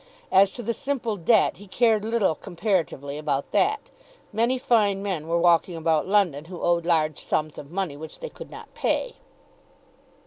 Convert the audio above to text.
As to the simple debt, he cared little comparatively about that. Many fine men were walking about London who owed large sums of money which they could not pay.